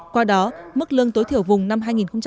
qua đó mức lương tối thiểu vùng năm hai nghìn hai mươi